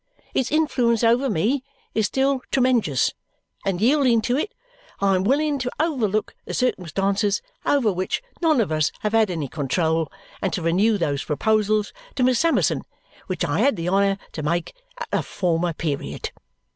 Its influence over me is still tremenjous, and yielding to it, I am willing to overlook the circumstances over which none of us have had any control and to renew those proposals to Miss Summerson which I had the honour to make at a former period.